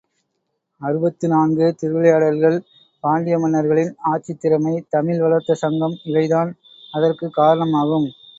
அறுபத்து நான்கு திருவிளையாடல்கள், பாண்டிய மன்னர்களின் ஆட்சித் திறமை, தமிழ் வளர்த்த சங்கம் இவைதான் அதற்குக் காரணமாகும்.